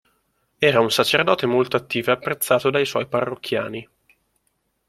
Era un sacerdote molto attivo e apprezzato dai suoi parrocchiani.